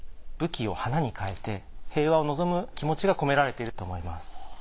武器を花に変えて平和を望む気持ちが込められていると思います。